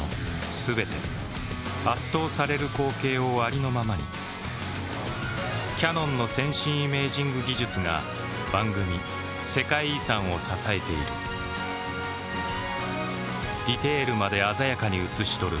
全て圧倒される光景をありのままにキヤノンの先進イメージング技術が番組「世界遺産」を支えているディテールまで鮮やかに映し撮る